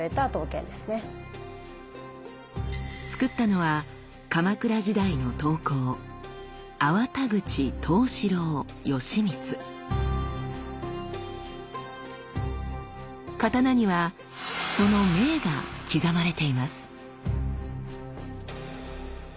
つくったのは鎌倉時代の刀にはその銘が刻まれています。